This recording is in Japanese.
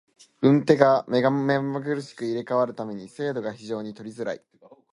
運手が目まぐるしく入れ替わる為に精度が非常に取りづらい。